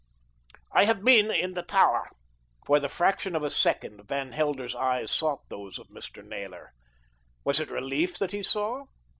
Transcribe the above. "I have been in the Tower." For the fraction of a second Van Helder's eyes sought those of Mr. Naylor. Was it relief that he saw?